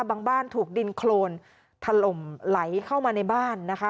บ้านถูกดินโครนถล่มไหลเข้ามาในบ้านนะคะ